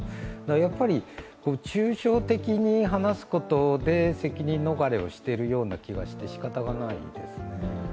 やっぱり抽象的に話すことで責任逃れをしてるような気がしてしかたないです。